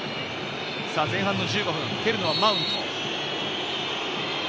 前半の１５分、蹴るのはマウント。